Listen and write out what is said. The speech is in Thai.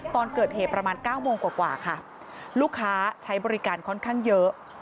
ตอนเกิดเหตุประมาณ๙โมงกว่าค่ะลูกค้าใช้บริการค่อนข้างเยอะ